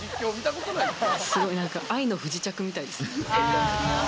すごい。愛の不時着みたいですね。